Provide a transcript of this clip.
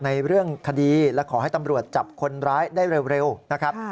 ในเรื่องคดีและขอให้ตำรวจจับคนร้ายได้เร็วนะครับ